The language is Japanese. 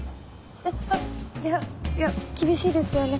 あっいやいや厳しいですよね。